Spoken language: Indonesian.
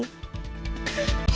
terima kasih banyak